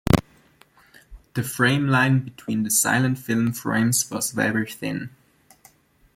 The frame line between the silent film frames was very thin.